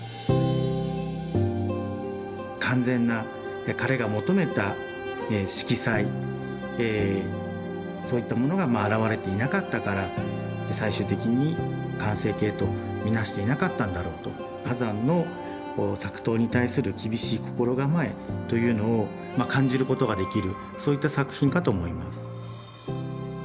完全な彼が求めた色彩そういったものがあらわれていなかったから最終的に完成形と見なしていなかったんだろうと波山の作陶に対する厳しい心構えというのを感じることができるそういった作品かと思います。